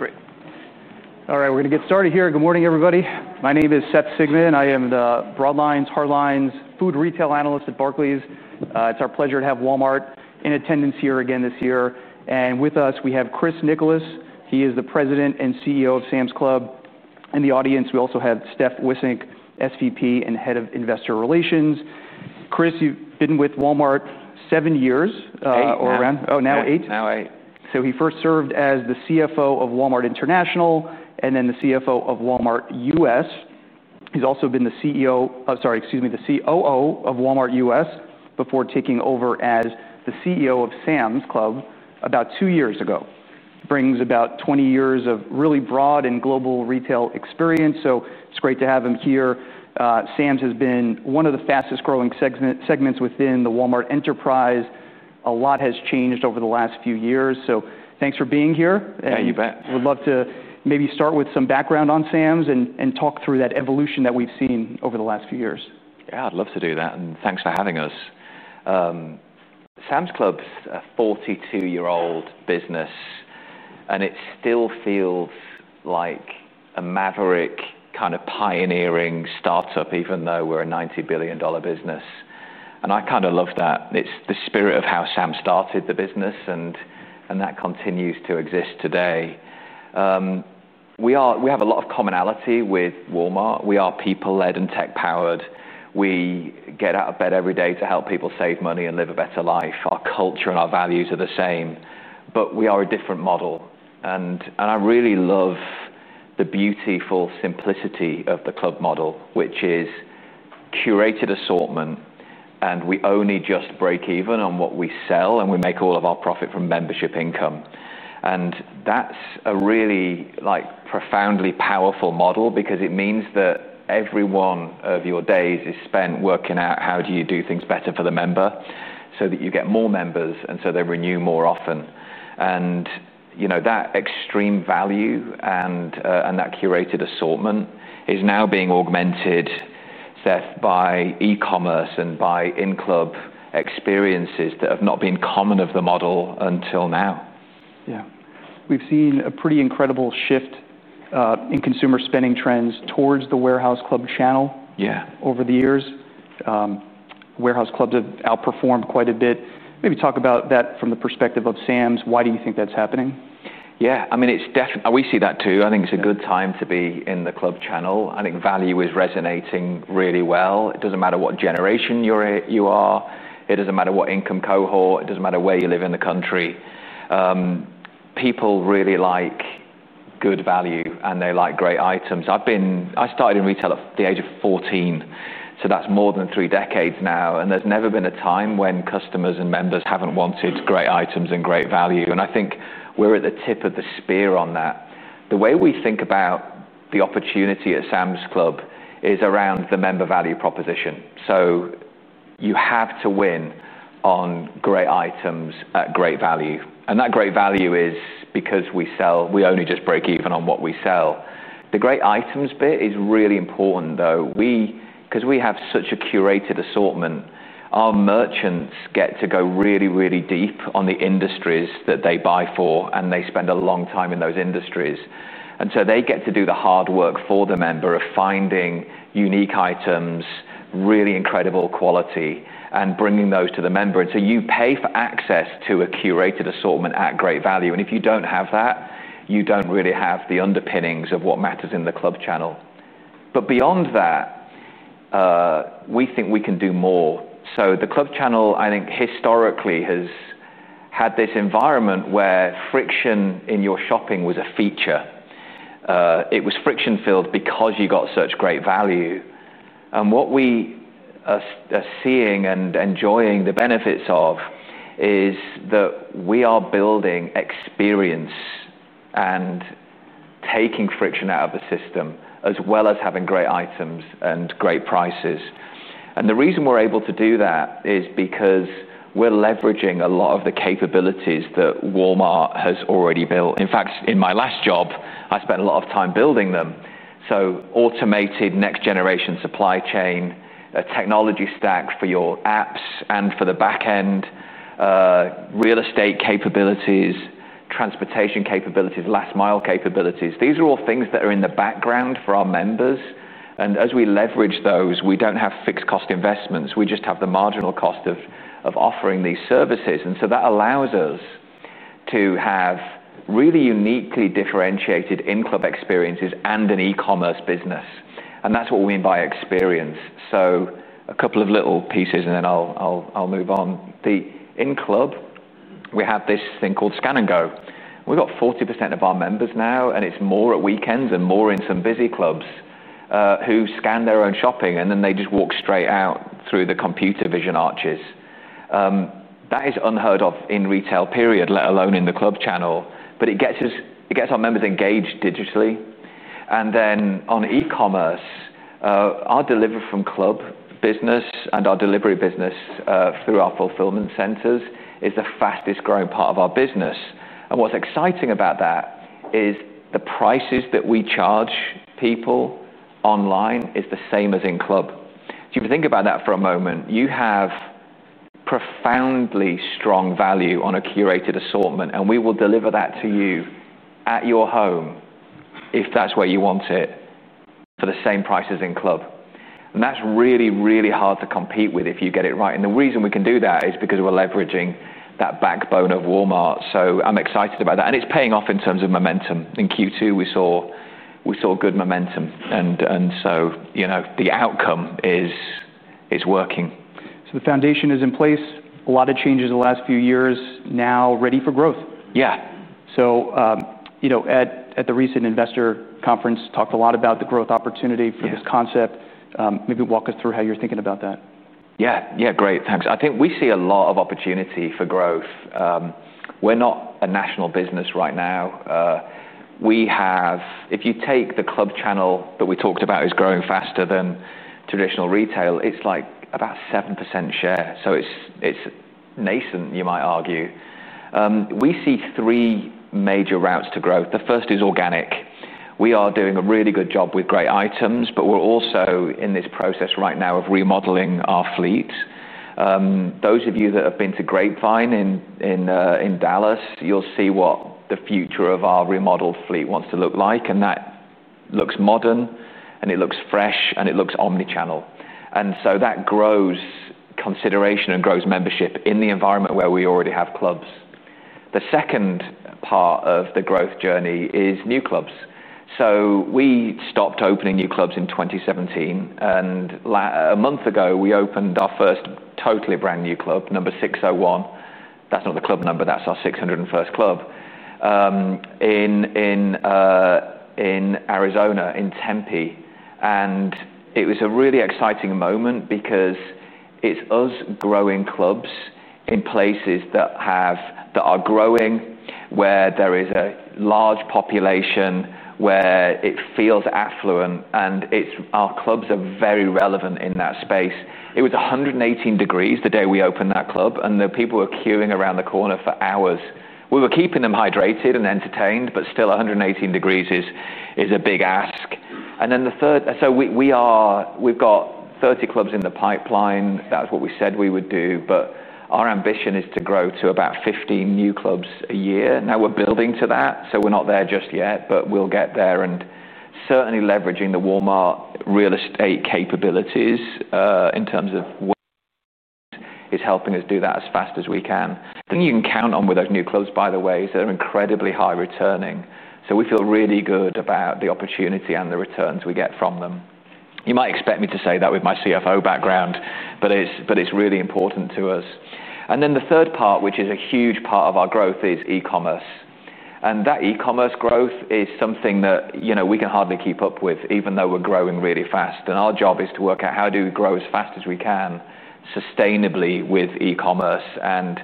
Okay, great. All right. We're going get started here. Good morning, everybody. My name is Seth Sigman. I am the Broadline's, Hardline's food retail analyst at Barclays. It's our pleasure to have Walmart in attendance here again this year. And with us, we have Chris Nicholas. He is the President and CEO of Sam's Club. In the audience, we also have Steph Wissink, SVP and Head of Investor Relations. Chris, you've been with Walmart seven years Now Now eight. So he first served as the CFO of Walmart International and then the CFO of Walmart U. S. He's also been the CEO sorry, excuse me, the COO of Walmart U. S. Before taking over as the CEO of Sam's Club about two years ago. Brings about twenty years of really broad and global retail experience, so it's great to have him here. Sam's has been one of the fastest growing segments within the Walmart enterprise. A lot has changed over the last few years. So thanks for being here. And You we'd love to maybe start with some background on Sam's and talk through that evolution that we've seen over the last few years. Yes, I'd love to do that, and thanks for having us. Sam's Club is a forty two year old business, and it still feels like a Maverick kind of pioneering start up even though we're a $90,000,000,000 business. And I kind of love that. It's the spirit of how Sam started the business, and that continues to exist today. We are we have a lot of commonality with Walmart. We are people led and tech powered. We get out of bed every day to help people save money and live a better life. Our culture and our values are the same, but we are a different model. And I really love the beautiful simplicity of the club model, which is curated assortment and we only just break even on what we sell and we make all of our profit from membership income. And that's a really like profoundly powerful model because it means that every one of your days is spent working out how do you do things better for the member so that you get more members and so they renew more often. And that extreme value and that curated assortment is now being augmented, Seth, by e commerce and by in club experiences that have not been common of the model until now. Yes. We've seen a pretty incredible shift in consumer spending trends towards the warehouse club channel over the years. Warehouse clubs have outperformed quite a bit. Maybe talk about that from the perspective of Sam's. Why do you think that's happening? Yes. I mean it's we see that, too. I think it's a good time to be in the club channel. I think value is resonating really well. It doesn't matter what generation you are. It doesn't matter what income cohort. It doesn't matter where you live in the country. People really like good value, and they like great items. I've been I started in retail at the age of 14, so that's more than three decades now. And there's never been a time when customers and members haven't wanted great items and great value. And I think we're at the tip of the spear on that. The way we think about the opportunity at Sam's Club is around the member value proposition. So you have to win on great items at great value. And that great value is because we sell we only just break even on what we sell. The great items bit is really important, though. We because we have such a curated assortment, our merchants get to go really, really deep on the industries that they buy for and they spend a long time in those industries. And so they get to do the hard work for the member of finding unique items, really incredible quality and bringing those to the member. And so you pay for access to a curated assortment at great value. And if you don't have that, you don't really have the underpinnings of what matters in the club channel. But beyond that, we think we can do more. So the club channel, I think, historically has had this environment where friction in your shopping was a feature. It was friction filled because you got such great value. And what we are seeing and enjoying the benefits of is that we are building experience and taking friction out of the system as well as having great items and great prices. And the reason we're able to do that is because we're leveraging a lot of the capabilities that Walmart has already built. In fact, my last job, I spent a lot of time building them. So automated next generation supply chain, a technology stack for your apps and for the back end, real estate capabilities, transportation capabilities, last mile capabilities, these are all things that are in the background for our members. And as we leverage those, investments. We just have the marginal cost of offering these services. And so that allows us to have really uniquely differentiated in club experiences and an e commerce business. And that's what we mean by experience. So a couple of little pieces, and then I'll move on. The in club, we have this thing called Scan and Go. We've got 40% of our members now, and it's more at weekends and more in some busy clubs, who scan their own shopping, and then they just walk straight out through the computer vision arches. That is unheard of in retail period, let alone in the club channel, but it gets us it gets our members engaged digitally. And then on e commerce, our deliver from club business and our delivery business through our fulfillment centers is the fastest growing part of our business. And what's exciting about that is the prices that we charge people online is the same as in club. So if you think about that for a moment, you have profoundly strong value on a curated assortment, and we will deliver that to you at your home if that's where you want it for the same price as in club. And that's really, really hard to compete with if you get it right. And the reason we can do that is because we're leveraging that backbone of Walmart. So I'm excited about that. And it's paying off in terms of momentum. In Q2, saw good momentum. And so the outcome is working. So the foundation is in place. A lot of changes in the last few years, now ready for growth. Yes. So at the recent investor conference, talked a lot about the growth opportunity for this concept. Maybe walk us through how you're thinking about that. Yes. Yes, great. Thanks. I think we see a lot of opportunity for growth. We're not a national business right now. We have if you take the club channel that we talked about is growing faster than traditional retail, it's like about 7% share. So it's nascent, you might argue. We see three major routes to growth. The first is organic. We are doing a really good job with great items, but we're also in this process right now of remodeling our fleet. Those of you that have been to Grapevine in Dallas, you'll see what the future of our remodeled fleet wants to look like. And that looks modern and it looks fresh and it looks omnichannel. And so that grows consideration and grows membership in the environment where we already have clubs. The second part of the growth journey is new clubs. So we stopped opening new clubs in 2017. And a month ago, we opened our first totally brand new club, number six zero one, that's not the club number, that's our six hundred and first club, in Arizona, in Tempe. And it was a really exciting moment because it's us growing clubs in places that have that are growing where there is a large population, where it feels affluent. And it's our clubs are very relevant in that space. It was 118 the day we opened that club, and the people were queuing around the corner for hours. We were keeping them hydrated and entertained, but still one hundred and eighteen degrees is a big ask. And then the third so we are we've got 30 clubs in the pipeline. That's what we said we would do. But our ambition is to grow to about 15 new clubs a year. Now we're building to that. So we're not there just yet, but we'll get there. And certainly, leveraging the Walmart real estate capabilities in terms of what is helping us do that as fast as we can. The thing you can count on with those new clubs, by the way, is they're incredibly high returning. So we feel really good about the opportunity and the returns we get from them. You might expect me to say that with my CFO background, but it's really important to us. And then the third part, which is a huge part of our growth, is e commerce. And that e commerce growth is something that we can hardly keep up with even though we're growing really fast. And our job is to work out how do we grow as fast as we can sustainably with e commerce and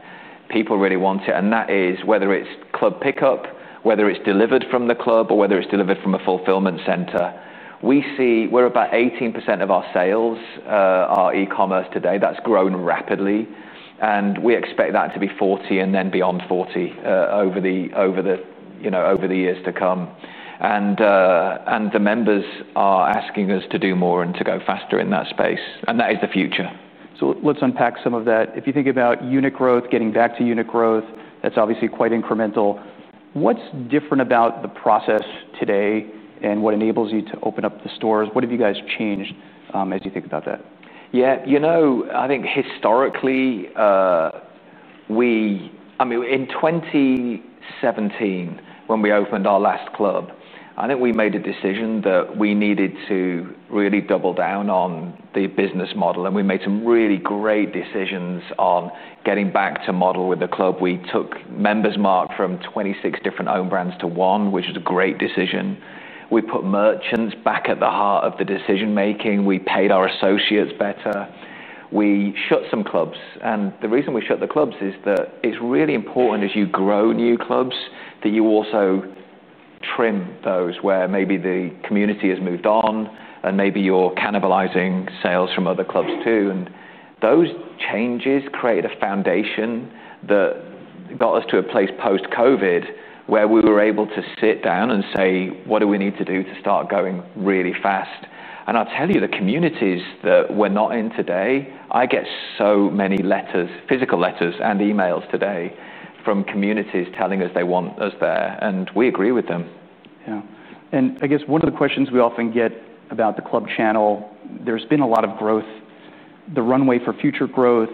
people really want it. And that is whether it's club pickup, whether it's delivered from the club or whether it's delivered from a fulfillment center. We see we're about 18% of our sales are e commerce today. That's grown rapidly. And we expect that to be 40% and then beyond 40% over the years to come. And the members are asking us to do more and to go faster in that space, and that is the future. So let's unpack some of that. If you think about unit growth, getting back to unit growth, that's obviously quite incremental. What's different about the process today and what enables you to open up the stores? What have you guys changed as you think about that? Yes. I think historically, we I mean, in 2017, when we opened our last club, I think we made a decision that we needed to really double down on the business model, and we made some really great decisions on getting back to model with the club. We took members marked from 26 different owned brands to one, which is a great decision. We put merchants back at the heart of the decision making. We paid our associates better. We shut some clubs. And the reason we shut the clubs is that it's really important as you grow new clubs that you also trim those where maybe the community has moved on and maybe you're cannibalizing sales from other clubs, too. And those changes create a foundation that got us to a place post COVID where we were able to sit down and say, what do we need to do to start going really fast? And I'll tell you, the communities that we're not in today, I get so many letters, physical letters and e mails today from communities telling us they want us there, and we agree with them. Yes. And I guess one of the questions we often get about the club channel, there's been a lot of growth, the runway for future growth.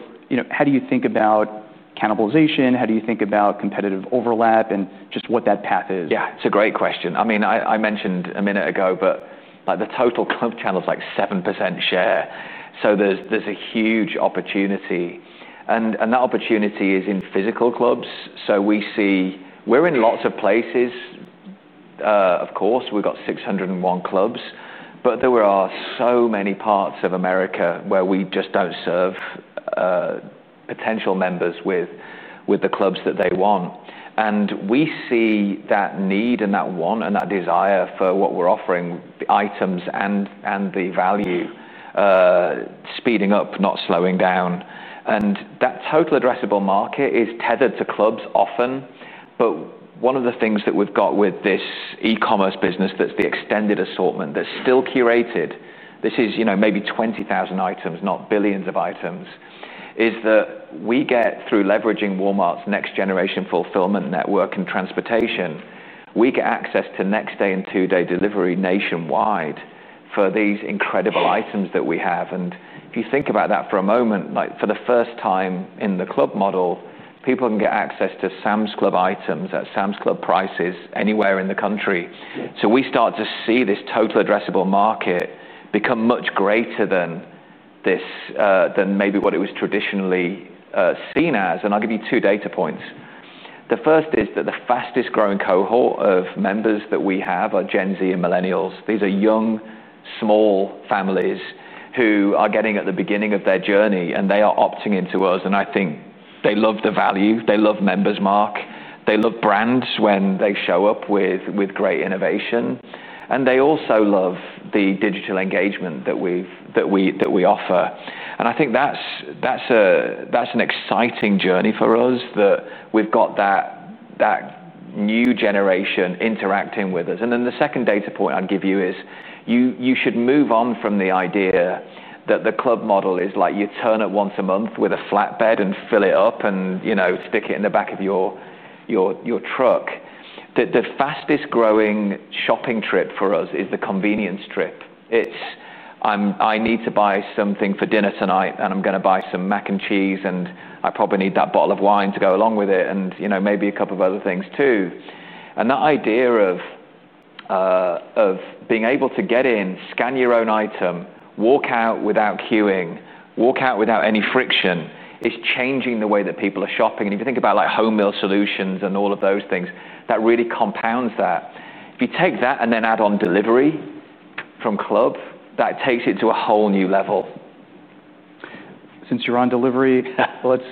How do you think about cannibalization? How do you think about competitive overlap? And just what that path is? Yes, it's a great question. I mean, I mentioned a minute ago, but the total club channel is like 7% share. So there's a huge opportunity. And that opportunity is in physical clubs. So we see we're in lots of places, of course. We've got six zero one clubs. But there were so many parts of America where we just don't serve potential members with the clubs that they want. And we see that need and that want and that desire for what we're offering the items and the value speeding up, not slowing down. And that total addressable market is tethered to clubs often. But one of the things that we've got with this e commerce business that's the extended assortment that's still curated, this is maybe 20,000 items, not billions of items, is that we get through leveraging Walmart's next generation fulfillment network and transportation, we get access to next day and two day delivery nationwide for these incredible items that we have. And if you think about that for a moment, like for the first time in the club model, people can get access to Sam's Club items prices anywhere in the country. So we start to see this total addressable market become much greater than this than maybe what it was traditionally seen as. And I'll give you two data points. The first is that the fastest growing cohort of members that we have are Gen Z and millennials. These are young, small families who are getting at the beginning of their journey, and they are opting into us. And I think they love the value, they love members, Mark, they love brands when they show up with great innovation and they also love the digital engagement that we offer. And I think that's an exciting journey for us that we've got that new generation interacting with us. And then the second data point I'd give you is you should move on from the idea that the club model is like you turn it once a month with a flatbed and fill it up and stick it in the back of your truck. The fastest growing shopping trip for us is the convenience trip. It's I need to buy something for dinner tonight, and I'm going to buy some mac and cheese, and I probably need that bottle of wine to go along with it and maybe a couple of other things, too. And the idea of being able to get in, scan your own item, walk out without queuing, walk out without any friction is changing the way that people are shopping. If you think about like home meal solutions and all of those things, that really compounds that. If you take that and then add on delivery from Club, that takes it to a whole new level. Since you're on delivery, let's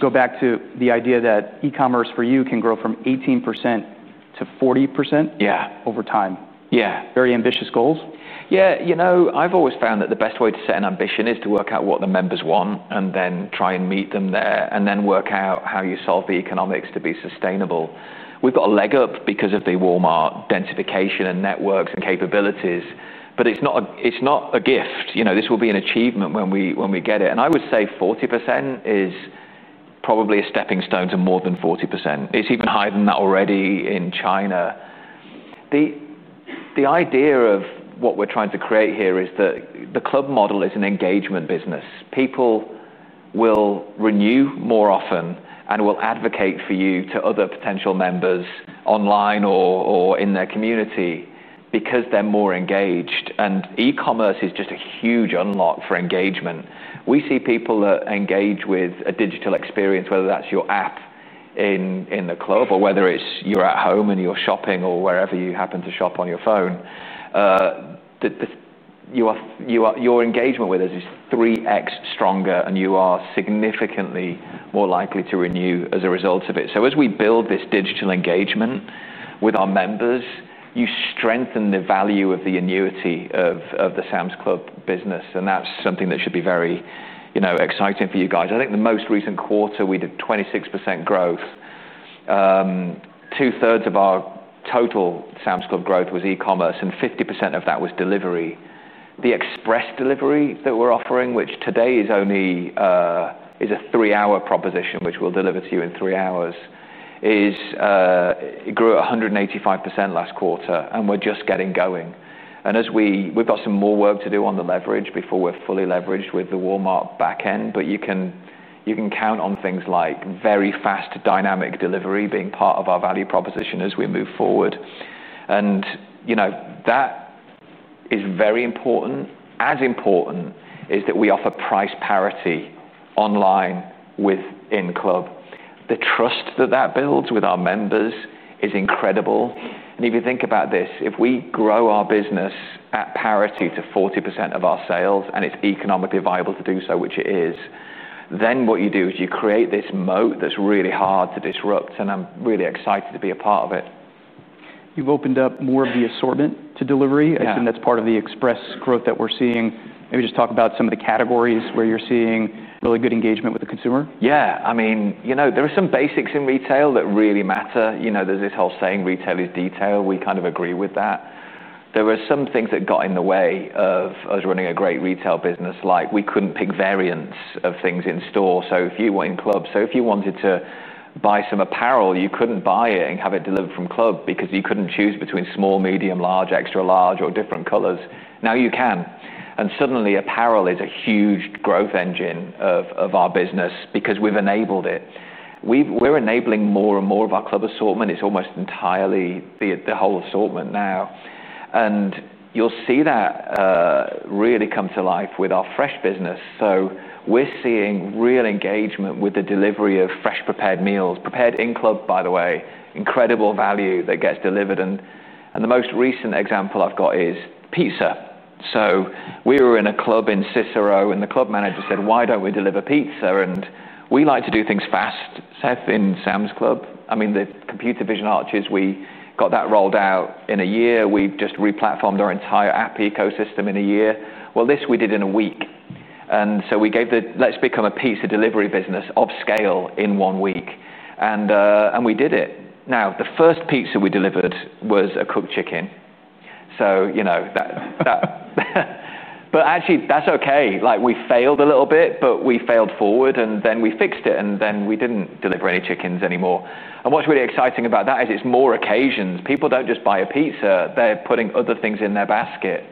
go back to the idea that e commerce for you can grow from 18% to 40% over Yes. Very ambitious goals. Yes. I've always found that the best way to set an ambition is to work out what the members want and then try and meet them there and then work out how you solve the economics to be sustainable. We've got a leg up because of the Walmart densification and networks and capabilities, But it's not a gift. This will be an achievement when we get it. And I would say 40% is probably a stepping stone to more than 40%. It's even higher than that already in China. The idea of what we're trying to create here is that the club model is an engagement business. People will renew more often and will advocate for you to other potential members online or in their community because they're more engaged. And e commerce is just a huge unlock for engagement. We see people engage with a digital experience, whether that's your app in the club or whether it's you're at home and you're shopping or wherever you happen to shop on your phone, your engagement with us is 3x stronger, and you are significantly more likely to renew as a result of it. So as we build this digital engagement with our members, you strengthen the value of the annuity of the Sam's Club business and that's something that should be very exciting for you guys. I think the most recent quarter, we did 26% growth. Twothree of our total Sam's Club growth was e commerce and 50% of that was delivery. The express delivery that we're offering, which today is only is a three hour proposition, which we'll deliver to you in three hours, is grew 185% last quarter, and we're just getting going. And as we we've got some more work to do on the leverage before we're fully leveraged with the Walmart back end, but you can count on things like very fast dynamic delivery being part of our value proposition as we move forward. And that is very important. As important is that we offer price parity online within club. The trust that, that builds with our members is incredible. And if you think about this, if we grow our business at parity to 40% of our sales and it's economically viable to do so, which it is, then what you do is you create this moat that's really hard to disrupt, and I'm really excited to be a part of it. You've opened up more of the assortment to delivery. I assume that's part of the Express growth that we're seeing. Maybe just talk about some of the categories where you're seeing really good engagement with the consumer. Yes. I mean there are some basics in retail that really matter. There's this whole saying, retail is detail. We kind of agree with that. There were some things that got in the way of us running a great retail business, like we couldn't pick variants of things in store. So if you were in club, so if you wanted to buy some apparel, you couldn't buy it and have it delivered from club because you couldn't choose between small, medium, large, extra large or different colors. Now you can. And suddenly, apparel is a huge growth engine of our business because we've enabled it. We're enabling more and more of our club assortment. It's almost entirely the whole assortment now. And you'll see that really come to life with our fresh business. So we're seeing real engagement with the delivery of fresh prepared meals, prepared in club, by the way, incredible value that gets delivered. And the most recent example I've got is pizza. So we were in a club in Cicero, and the club manager said, Why don't we deliver pizza? And we like to do things fast, Seth, in Sam's Club. I mean, the Computer Vision Arches, we got that rolled out in a year. We just replatformed our entire app ecosystem in a year. Well, this we did in a week. And so we gave the let's become a pizza delivery business of scale in one week, and we did it. Now the first pizza we delivered was a cooked chicken. So that but actually, that's okay. Like we failed a little bit, but we failed forward and then we fixed it and then we didn't deliver any chickens anymore. And what's really exciting about that is it's more occasions. People don't just buy a pizza, they're putting other things in their basket.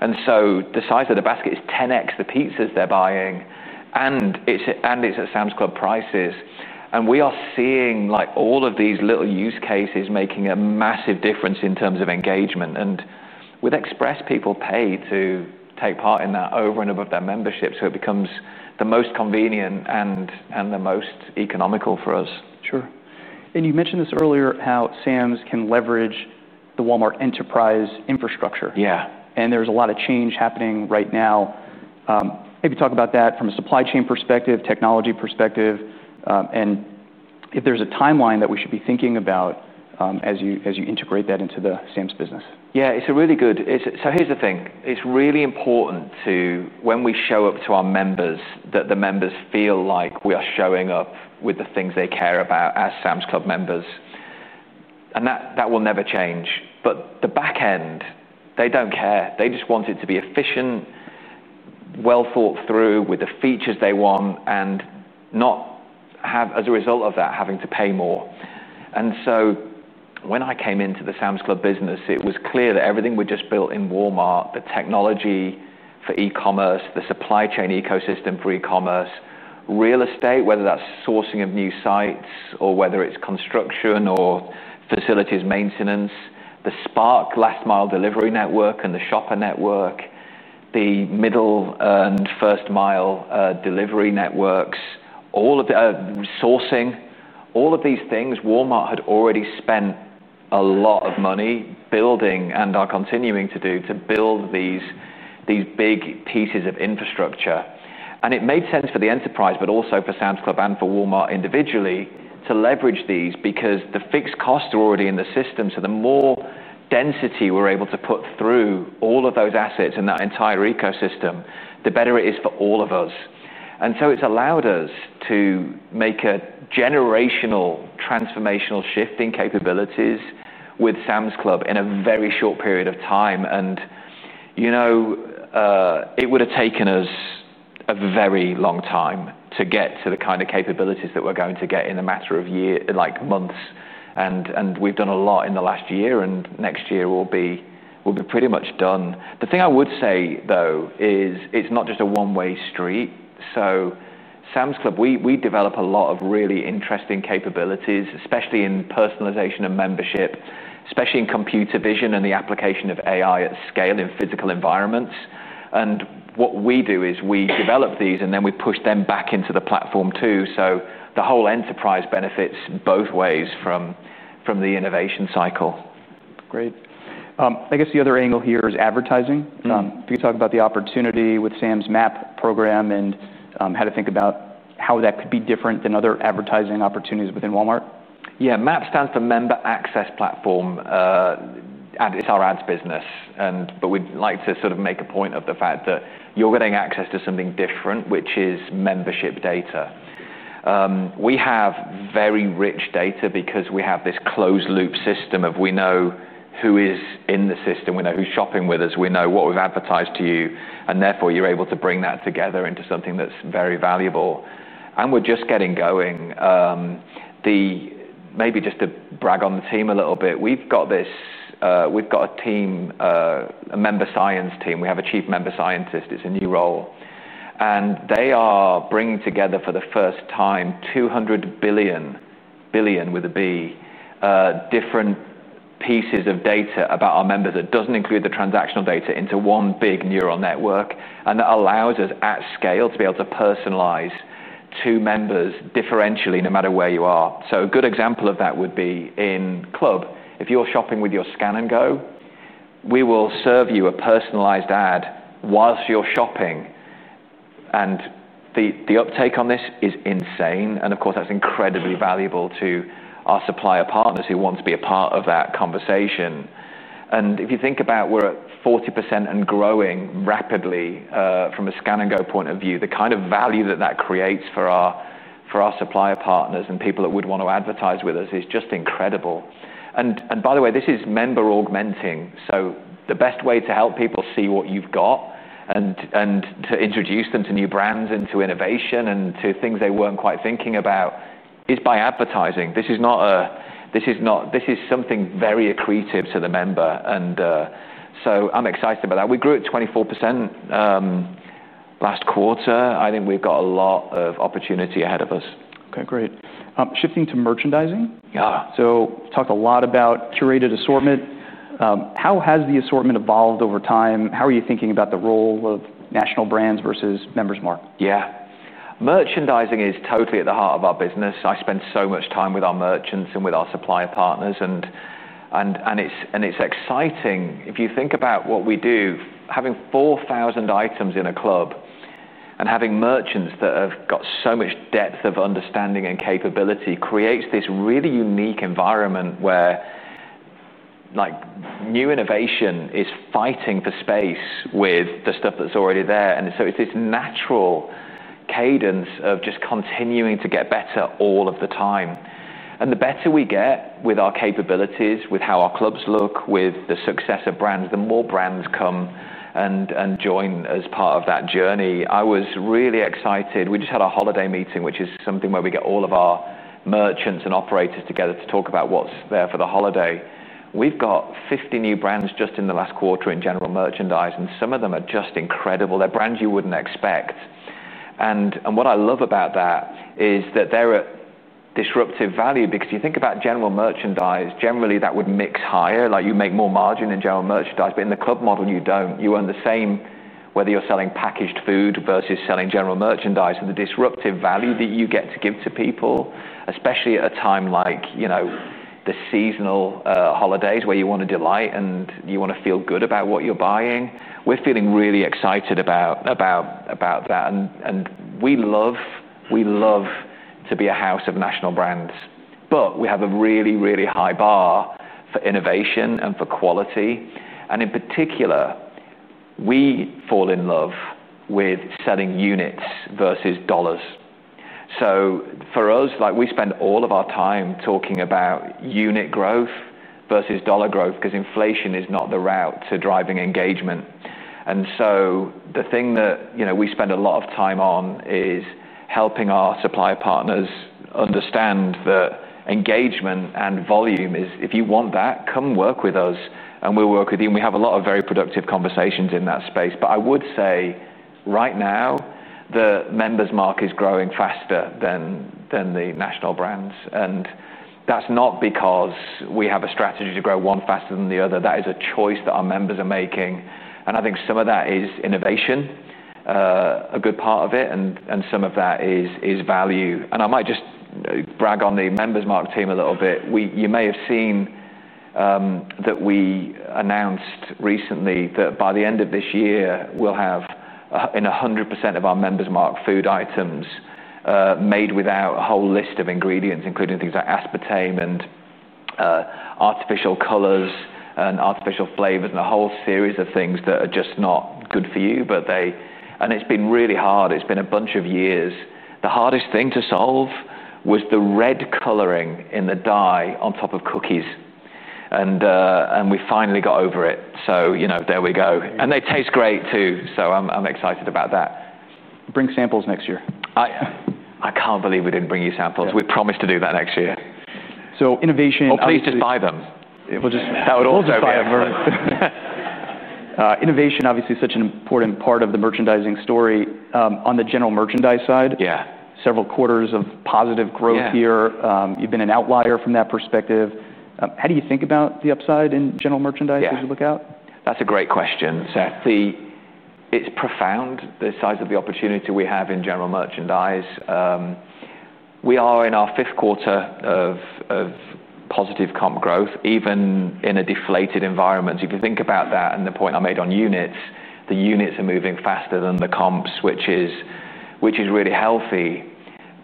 And so the size of the basket is 10x the pizzas they're buying and it's at Sam's Club prices. And we are seeing like all of these little use cases making a massive difference in terms of engagement. And with Express, people pay to take part in that over and above their membership, so it becomes the most convenient and the most economical for us. Sure. And you mentioned this earlier how Sam's can leverage the Walmart enterprise infrastructure. Yes. And there's a lot of change happening right now. Maybe talk about that from a supply chain perspective, technology perspective and if there's a time line that we should be thinking about as you integrate that into the Sam's business. Yes. It's a really good so here's the thing. It's really important to when we show up to our members that the members feel like we are showing up with the things they care about as Sam's Club members, And that will never change. But the back end, they don't care. They just want it to be efficient, well thought through with the features they want and not have as a result of that, to pay more. And so when I came into the Sam's Club business, it was clear that everything we just built in Walmart, the technology for e commerce, the supply chain ecosystem for e commerce, real estate, whether that's sourcing of new sites or whether it's construction or facilities maintenance, the Spark last mile delivery network and the shopper network, the middle and first mile delivery networks, all of the sourcing, all of these things Walmart had already spent a lot of money building and are continuing to do to build these big pieces of infrastructure. And it made sense for the enterprise, but also for Sands Club and for Walmart individually to leverage these because the fixed costs are already in the system. So the more density we're able to put through all of those assets in that entire ecosystem, the better it is for all of us. And so it's allowed us to make a generational transformational shift in capabilities with Sam's Club in a very short period of time. And it would have taken us a very long time to get to the kind of capabilities that we're going to get in a matter of year like months. And we've done a lot in the last year, and next year will be pretty much done. The thing I would say, though, is it's not just a one way street. So Sam's Club, we develop a lot of really interesting capabilities, especially in personalization and membership, especially in computer vision and the application of AI at scale in physical environments. And what we do is we develop these and then we push them back into the platform, too. So the whole enterprise benefits both ways from the innovation cycle. Great. I guess the other angle here is advertising. Can you talk about the opportunity with Sam's MAP program and how to think about how that could be different than other advertising opportunities within Walmart? Yes. MAP stands for Member Access Platform. It's our ads business. And but we'd like to sort of make a point of the fact that you're getting access to something different, which is membership data. We have very rich data because we have this closed loop system of we know who is in the system, we know who's shopping with us, we know what we've advertised to you, and therefore, you're able to bring that together into something that's very valuable. And we're just getting going. The maybe just to brag on the team a little bit. We've got this we've got a team a member science team. We have a Chief Member Scientist. It's a new role. And they are bringing together for the first time 200,000,000,000 billion with a B different pieces of data about our members that doesn't include the transactional data into one big neural network and allows us at scale to be able to personalize two members differentially no matter where you are. So a good example of that would be in club. If you're shopping with your Scan and Go, we will serve you a personalized ad whilst you're shopping. And the uptake on this is insane. And of course, that's incredibly valuable to our supplier partners who want to be a part of that conversation. And if you think about we're at 40% and growing rapidly from a Scan and Go point of view, the kind of value that, that creates for our supplier partners and people that would want to advertise with us is just incredible. And by the way, this is member augmenting. So the best way to help people see what you've got and to introduce them to new brands and to innovation and to things they weren't quite thinking about is by advertising. This is not this is something very accretive to the member. And so I'm excited about that. We grew at 24% last quarter. I think we've got a lot of opportunity ahead of us. Okay, great. Shifting to merchandising. So talk a lot about curated assortment. How has the assortment evolved over time? How are you thinking about the role of national brands versus members' mark? Yes. Merchandising is totally at the heart of our business. I spend so much time with our merchants and with our supplier partners, and it's exciting. If you think about what we do, having 4,000 items in a club and having merchants that have got so much depth of understanding and capability creates this really unique environment where like new innovation is fighting for space with the stuff that's already there. And so it's this natural cadence of just continuing to get better all of the time. And the better we get with our capabilities, with how our clubs look, with the success of brands, the more brands come and join as part of that journey. I was really excited. We just had a holiday meeting, which is something where we get all of our merchants and operators together to talk about what's there for the holiday. We've got 50 new brands just in the last quarter in general merchandise, and some of them are just incredible. They're brands you wouldn't expect. And what I love about that is that they're at disruptive value because if you think about general merchandise, generally, would mix higher, like you make more margin in general merchandise, but in the club model, you don't. You earn the same whether you're selling packaged food versus selling general merchandise and the disruptive value that you get to give to people, especially at a time like the seasonal holidays where you want to delight and you want to feel good about what you're buying, we're feeling really excited about that. And we love to be a house of national brands, but we have a really, really high bar for innovation and for quality. And in particular, we fall in love with selling units versus dollars. So for us, like we spend all of our time talking about unit growth versus dollar growth because inflation is not the route to driving engagement. And so the thing that we spend a lot of time on is helping our supply partners understand the engagement and volume is if you want that, come work with us and we'll work with you. And we have a lot of very productive conversations in that space. But I would say, right now, the members' market is growing faster than the national brands. And that's not because we have a strategy to grow one faster than the other. That is a choice that our members are making. And I think some of that is innovation, a good part of it, and some of that is value. And I might just brag on the Member's Mark team a little bit. You may have seen that we announced recently that by the end of this year, we'll have in 100% of our Member's Mark food items made without a whole list of ingredients, including things like aspartame and artificial colors and artificial flavors and a whole series of things that are just not good for you, but they and it's been really hard. It's been a bunch of years. The hardest thing to solve was the red coloring in the dye on top of cookies, and we finally got over it. So there we go. And they taste great, too. So I'm excited about that. Bring samples next year. I can't believe we didn't bring you samples. We promised to do that next year. Innovation Well, please just buy them. We'll just That would all do. Innovation, obviously, is such an important part of the merchandising story. On the general merchandise side, several quarters of positive growth here. You've been an outlier from that perspective. How do you think about the upside in general merchandise Yes. As you look That's a great question, Seth. It's profound, the size of the opportunity we have in general merchandise. We are in our fifth quarter of positive comp growth even in a deflated environment. If you think about that and the point I made on units, the units are moving faster than the comps, which is really healthy.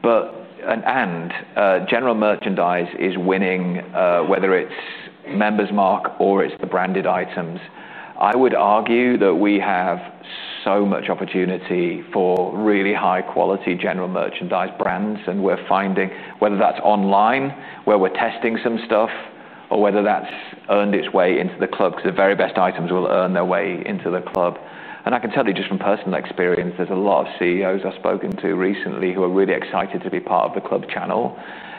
But and general merchandise is winning, whether it's members' mark or it's the branded items. I would argue that we have so much opportunity for really high quality general merchandise brands, and we're finding whether that's online, where we're testing some stuff or whether that's earned its way into the club, because the very best items will earn their way into the club. And I can tell you just from personal experience, there's a lot of CEOs I've spoken to recently who are really excited to be part of the club channel,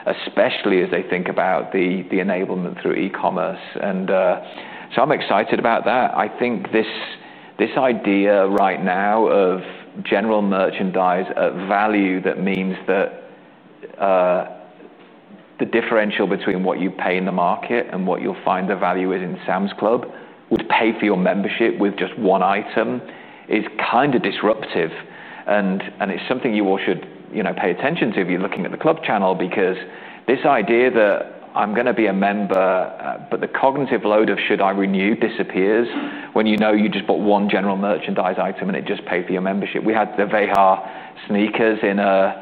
especially as they think about the enablement through e commerce. And so I'm excited about that. I think this idea right now of general merchandise value that means that the differential between what you pay in the market and what you'll find the value is in Sam's Club would pay for your membership with just one item is kind of disruptive. And it's something you all should pay attention to if you're looking at the club channel because this idea that I'm going to be a member, but the cognitive load of should I renew disappears when you know you just bought one general merchandise item and it just paid for your membership. We had the Veha sneakers in our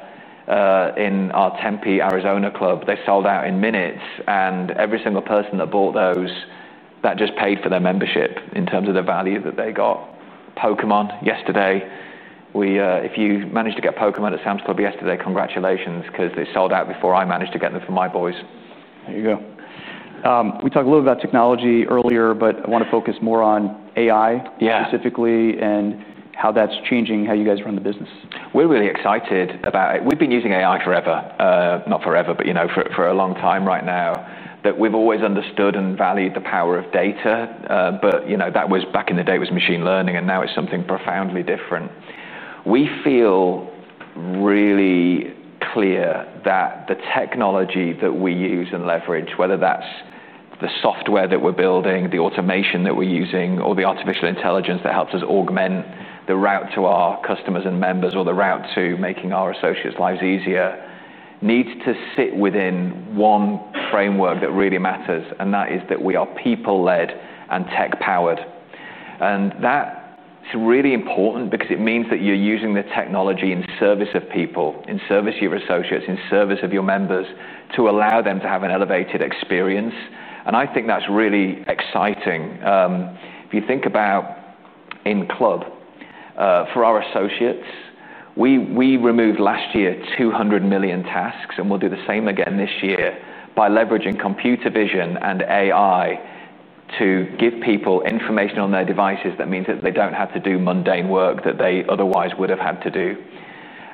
Tempe, Arizona club. They sold out in minutes. And every single person that bought those, that just paid for their membership in terms of the value that they got. Pokemon yesterday, we if you managed to get Pokemon at Sam's Club yesterday, congratulations because they sold out before I managed to get them for my boys. There you go. We talked a little bit about technology earlier, but I want to focus more on AI and how that's changing how you guys run the business. We're really excited about it. We've been using AI forever not forever, but for a long time right now. That we've always understood and valued the power of data, but that was back in the day, it was machine learning, and now it's something profoundly different. We feel really clear that the technology that we use and leverage, whether that's the software that we're building, the automation that we're using or the artificial intelligence that helps us augment the route to our customers and members or the route to making our associates' lives easier, needs to sit within one framework that really matters, and that is that we are people led and tech powered. And that is really important because it means that you're using the technology in service of people, in service of your associates, in service of your members to allow them to have an elevated experience. And I think that's really exciting. If you think about in club, for our associates, we removed last year 200,000,000 tasks, and we'll do the same again this year by leveraging computer vision and AI to give people information on their devices that means that they don't have to do mundane work that they otherwise would have had to do.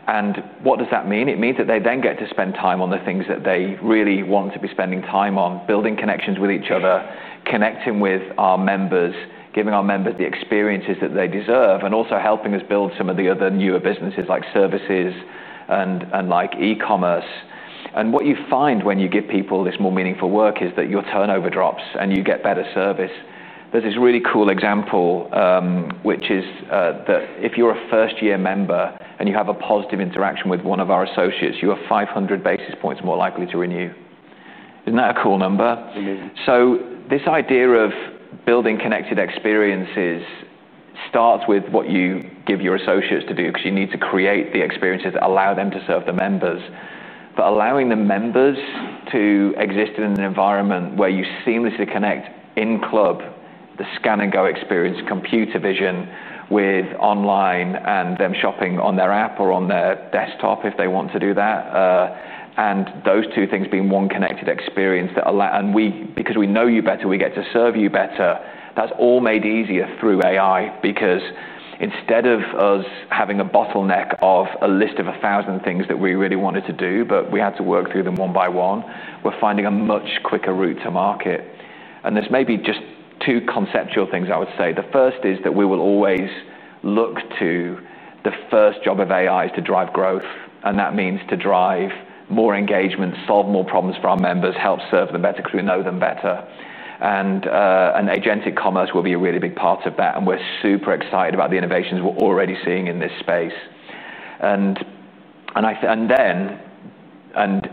And what does that mean? It means that they then get to spend time on the things that they really want to be spending time on, building connections with each other, connecting with our members, giving our members the experiences that they deserve and also helping us build some of the other newer businesses like services and like e commerce. And what you find when you give people this more meaningful work is that your turnover drops and you get better service. There's this really cool example, which is that if you're a first year member and you have a positive interaction with one of our associates, you are 500 basis points more likely to renew. Isn't that a cool number? It is. So this idea of building connected experiences starts with what you give your associates to do because you need to create the experiences that allow them to serve the members. But allowing the members to exist in an environment where you seamlessly connect in club, the scan and go experience, computer vision with online and them shopping on their app or on their desktop if they want to do that. And those two things being one connected experience that allow and we because we know you better, we get to serve you better, that's all made easier through AI because instead of us having a bottleneck of a list of 1,000 things that we really wanted to do, but we had to work through them one by one, we're finding a much quicker route to market. And there's maybe just two conceptual things I would say. The first is that we will always look to the first job of AI is to drive growth, and that means to drive more engagement, solve more problems for our members, help serve them better because we know them better. And Agenci Commerce will be a really big part of that. And we're super excited about the innovations we're already seeing in this space. And then and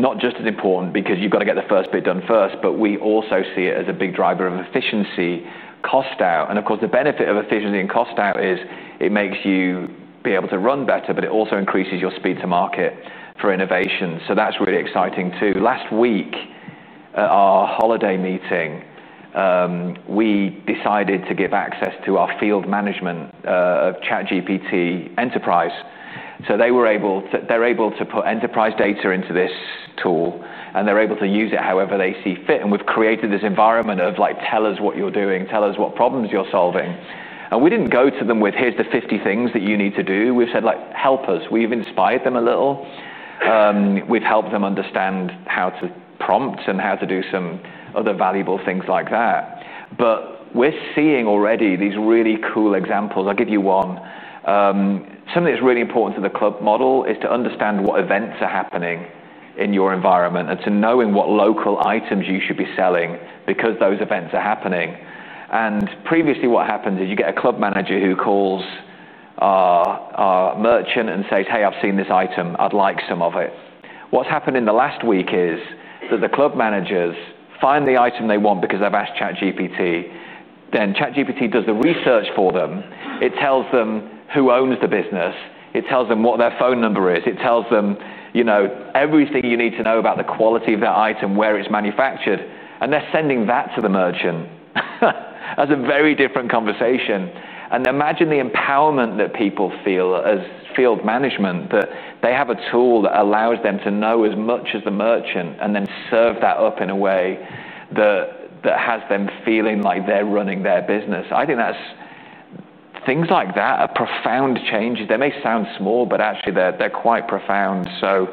not just as important because you've got to get the first bit done first, but we also see it as a big driver of efficiency cost out. And of course, the benefit of efficiency and cost out is it makes you be able to run better, but it also increases your speed to market for innovation. So that's really exciting too. Last week, our holiday meeting, we decided to give access to our field management chat GPT enterprise. So they were able they're able to put enterprise data into this tool, and they're able to use it however they see fit. And we've created this environment of like, tell us what you're doing, tell us what problems you're solving. And we didn't go to them with, here's the 50 things that you need to do. We've said like, help us. We've inspired them a little. We've helped them understand how to prompt and how to do some other valuable things like that. But we're seeing already these really cool examples. I'll give you one. Something that's really important to the club model is to understand what events are happening in your environment and to knowing what local items you should be selling because those events are happening. And previously, what happens is you get a club manager who calls merchant and says, hey, I've seen this item, I'd like some of it. What's happened in the last week is that the club managers find the item they want because they've asked ChatGPT, then ChatGPT does the research for them. It tells them who owns the business. It tells them what their phone number is. It tells them everything you need to know about the quality of the item, where it's manufactured, and they're sending that to the merchant. That's a very different conversation. And imagine the empowerment that people feel as field management that they have a tool that allows them to know as much as the merchant and then serve that up in a way that has them feeling like they're running their business. I think that's things like profound changes. They may sound small, but actually they're quite profound. So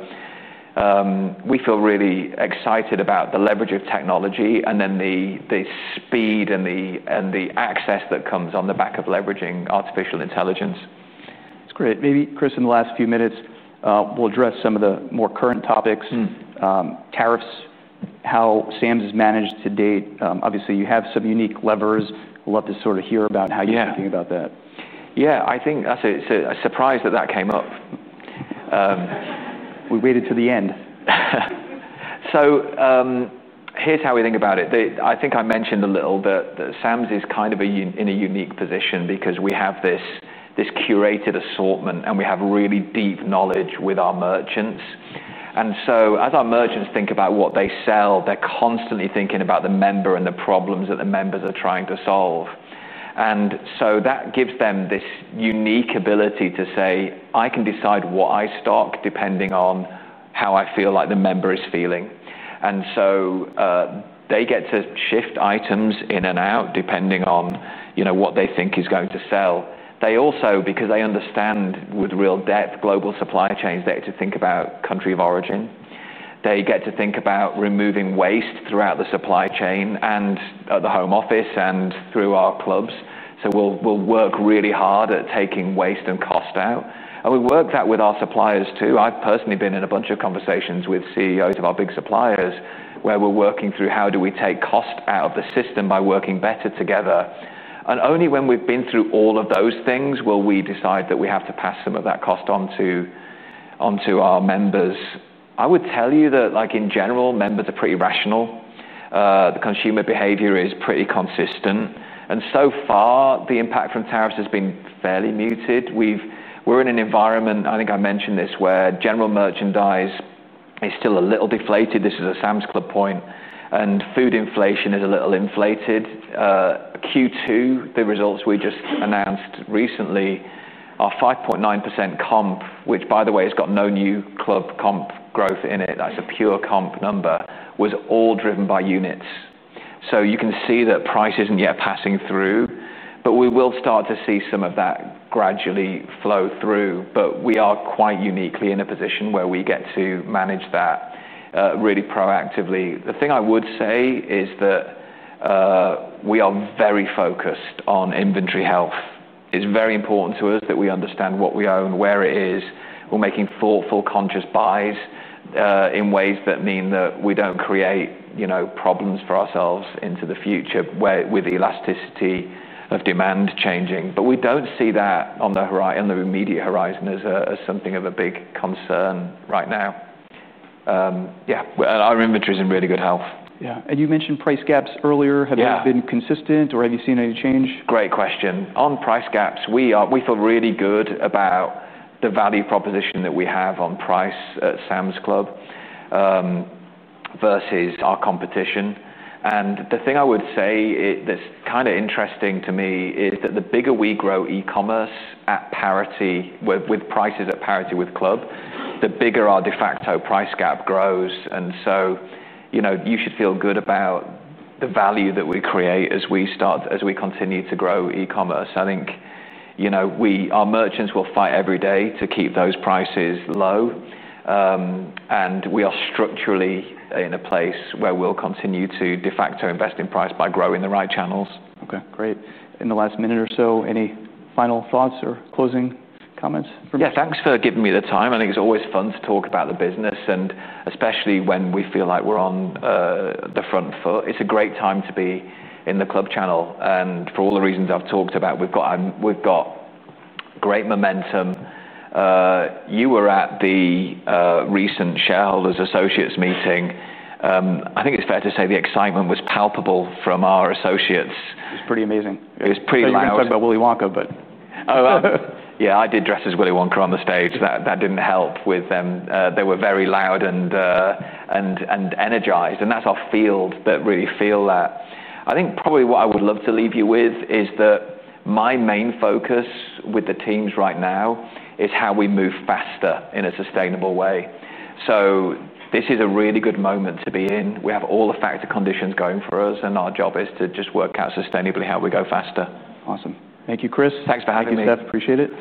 we feel really excited about the leverage of technology and then the speed and the access that comes on the back of leveraging artificial intelligence. That's great. Maybe, Chris, in the last few minutes, we'll address some of the more current topics, tariffs, how SAMs has managed to date. Obviously, you have some unique levers. Love to sort of hear about how you're thinking about that. Yes, I think I'd say it's a surprise that that came up. We waited till the end. So here's how we think about it. I think I mentioned a little that Sam's is kind of in a unique position because we have this curated assortment and we have really deep knowledge with our merchants. And so as our merchants think about what they sell, they're constantly thinking about the member and the problems that the members are trying to solve. And so that gives them this unique ability to say, I can decide what I stock depending on how I feel like the member is feeling. And so they get to shift items in and out depending on what they think is going to sell. They also because they understand with real depth global supply chains, get to think about country of origin. They get to think about removing waste throughout the supply chain and the home office and through our clubs. So we'll work really hard at taking waste and cost out. And we work that with our suppliers, too. I've personally been in a bunch of conversations with CEOs of our big suppliers where we're working through how do we take cost out of the system by working better together. And only when we've been through all of those things will we decide that we have to pass some of that cost onto our members. I would tell you that, like in general, members are pretty rational. The consumer behavior is pretty consistent. And so far, the impact from tariffs has been fairly muted. We're in an environment, I think I mentioned this, where general merchandise is still a little deflated. This is a Sam's Club point. And food inflation is a little inflated. Q2, the results we just announced recently, our 5.9% comp, which, by the way, has got no new club comp growth in it, that's a pure comp number, was all driven by units. So you can see that price isn't yet passing through, but we will start to see some of that gradually flow through. But we are quite uniquely in a position where we get to manage that really proactively. The thing I would say is that we are very focused on inventory health. It's very important to us that we understand what we own, where it is. We're making thoughtful conscious buys in ways that mean that we don't create problems for ourselves into the future with elasticity of demand changing. But we don't see that on the immediate horizon as something of a big concern right now. Yes. And our inventory is in really good health. Yes. And you mentioned price gaps earlier. Have they been consistent? Or have you seen any change? Great question. On price gaps, we feel really good about the value proposition that we have on price at Sam's Club versus our competition. And the thing I would say that's kind of interesting to me is that the bigger we grow e commerce at parity with prices at parity with club, the bigger our de facto price gap grows. And so you should feel good about the value that we create as we start as we continue to grow e commerce. I think we our merchants will fight every day to keep those prices low. And we are structurally in a place where we'll continue to de facto invest in price by growing the right channels. Okay, great. In the last minute or so, any final thoughts or closing comments? Yes. Thanks for giving me the time. I think it's always fun to talk about the business and especially when we feel like we're on the front foot. It's a great time to be in the club channel. And for all the reasons I've talked about, we've got great momentum. You were at the recent shareholders' associates meeting. I think it's fair to say the excitement was palpable from our associates. It's pretty amazing. It's pretty amazing. It's It's you said about Willy Wonka, but Yes, I did dress as Willy Wonka on the stage. That didn't help with them. They were very loud and energized. And that's our field that really feel that. I think probably what I would love to leave you with is that my main focus with the teams right now is how we move faster in a sustainable way. So this is a really good moment to be in. We have all the factor conditions going for us, and our job is to just work out sustainably how we go faster. Awesome. Thank you, Chris. Thanks for having Thanks, Steph. Appreciate it.